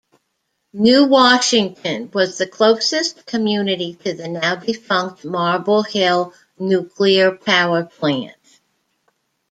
New Washington was the closest community to the now-defunct Marble Hill Nuclear Power Plant.